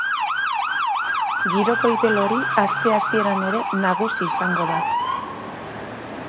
Giro gobel hori aste hasieran ere nagusi izango da.